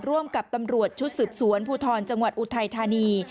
ร่วมกับตำรวจชุดสืบสวนภูทรจังหวัดอุทัยธานี